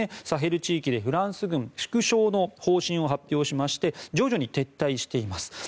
サヘル地域でフランス軍縮小の方針を発表しまして徐々に撤退しています。